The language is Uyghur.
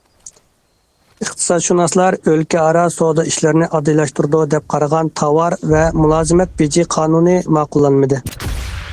ئىقتىسادشۇناسلار ئۆلكە ئارا سودا ئىشلىرىنى ئاددىيلاشتۇرىدۇ دەپ قارىغان تاۋار ۋە مۇلازىمەت بېجى قانۇنى ماقۇللانمىدى.